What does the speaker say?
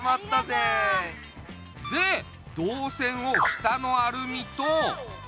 でどうせんを下のアルミと。